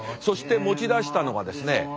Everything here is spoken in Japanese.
そして持ち出したのがですね